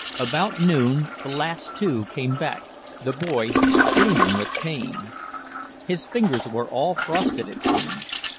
About noon the last two came back, the boy screaming with pain. His fingers were all frosted, it seemed.